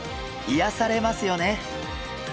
いやされますよね。